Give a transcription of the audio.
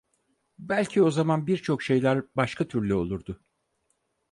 Belki o zaman birçok şeyler başka türlü olurdu…